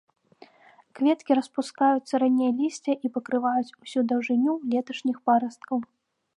Кветкі распускаюцца раней лісця і пакрываюць усю даўжыню леташніх парасткаў.